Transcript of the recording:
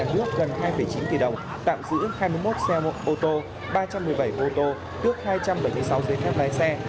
được gần hai chín tỷ đồng tạm giữ hai mươi một xe ô tô ba trăm một mươi bảy ô tô được hai trăm bảy mươi sáu dây thép lái xe